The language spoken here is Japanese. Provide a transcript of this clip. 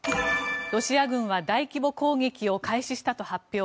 ロシア軍は大規模攻撃を開始したと発表。